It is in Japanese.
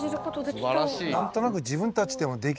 すばらしいな。